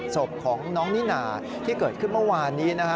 ศพของน้องนิน่าที่เกิดขึ้นเมื่อวานนี้นะฮะ